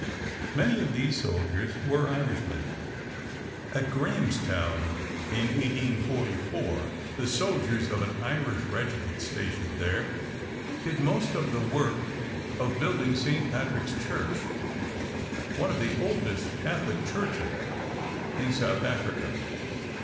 Many of these soldiers were Irishmen. At Grahamstown in 1844 the soldiers of an Irish regiment stationed there did most of the work of building St. Patrick's Church, one of the oldest Catholic churches in South Africa.